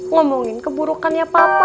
ngomongin keburukannya papa